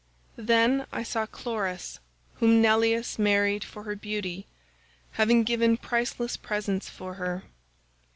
"Then I saw Chloris, whom Neleus married for her beauty, having given priceless presents for her.